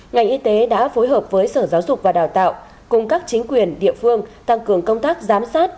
ngành y tế đã phối hợp với sở giáo dục và đào tạo cùng các chính quyền địa phương tăng cường công tác giám sát